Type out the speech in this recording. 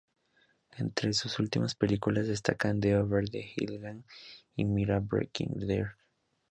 Entre sus últimas películas destacan "The Over-the-Hill Gang" y "Myra Breckinridge".